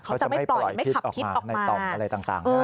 เขาจะไม่ปล่อยไม่ขับพิษออกมา